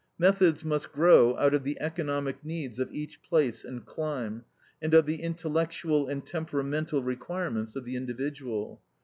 Methods must grow out of the economic needs of each place and clime, and of the intellectual and temperamental requirements of the individual.